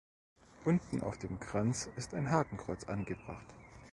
Unten auf dem Kranz ist ein Hakenkreuz angebracht.